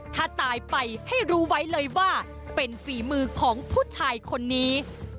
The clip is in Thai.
ถ้าตายไปให้รู้ไว้เลยว่าเป็นฝีมือของผู้ชายคนนี้